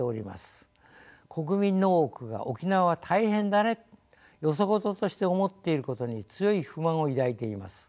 国民の多くが「沖縄は大変だね」とよそ事として思っていることに強い不満を抱いています。